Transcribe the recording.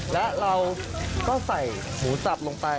แล้วเราก็ใส่หมูสับลงไป